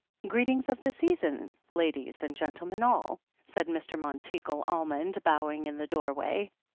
"Greetings of the season, ladies and gentlemen all," said Mr. Monteagle Almond, bowing in the doorway.